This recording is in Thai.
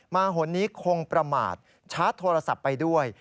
หนนี้คงประมาทชาร์จโทรศัพท์ไปด้วย